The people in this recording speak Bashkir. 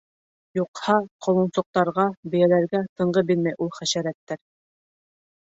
Юҡһа, ҡолонсаҡтарға, бейәләргә тынғы бирмәй ул хәшәрәттәр.